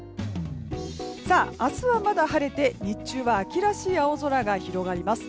明日はまだ晴れて、日中は秋らしい青空が広がります。